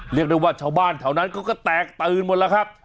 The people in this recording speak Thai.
เรียกได้ว่าชาวบ้านแถวนั้นเขาก็แตกตื่นหมดแล้วครับ